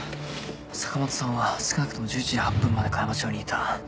坂本さんは少なくとも１１時８分まで香山町にいた。